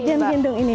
bagian gendong ini